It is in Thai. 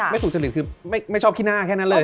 ไม่ถูกจริตคือไม่ชอบคิดหน้าแค่นั้นเลย